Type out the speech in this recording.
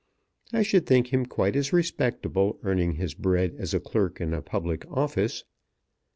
I should think him quite as respectable, earning his bread as a clerk in a public office.